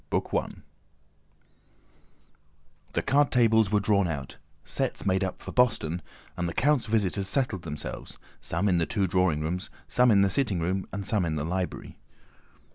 CHAPTER XX The card tables were drawn out, sets made up for boston, and the count's visitors settled themselves, some in the two drawing rooms, some in the sitting room, some in the library.